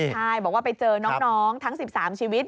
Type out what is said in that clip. ใช่บอกว่าไปเจอน้องทั้ง๑๓ชีวิต